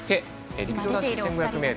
陸上男子１５００ｍ